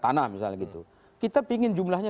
tanah misalnya gitu kita pingin jumlahnya